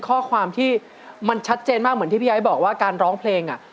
คณะกรรมการเชิญเลยครับพี่อยากให้ก่อนเพื่อนเลย